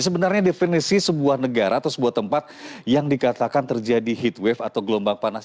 sebenarnya definisi sebuah negara atau sebuah tempat yang dikatakan terjadi heatwave atau gelombang panas